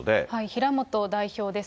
平本代表です。